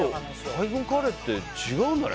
海軍カレーって違うんだね